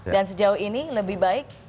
dan sejauh ini lebih baik